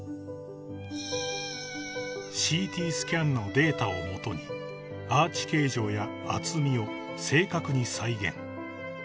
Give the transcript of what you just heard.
［ＣＴスキャンのデータを基にアーチ形状や厚みを正確に再現］